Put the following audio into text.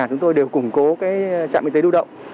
chúng tôi đều củng cố trạm y tế đu động